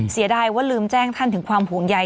เสียดายว่าลืมแจ้งท่านถึงความห่วงใย